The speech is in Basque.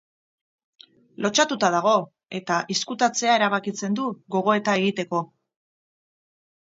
Lotsatuta dago eta izkutatzea erabakitzen du gogoeta egiteko.